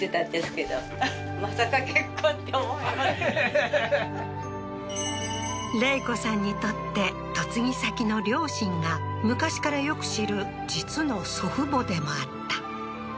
はっれい子さんにとって嫁ぎ先の両親が昔からよく知る実の祖父母でもあった